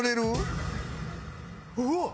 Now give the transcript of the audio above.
うわっ！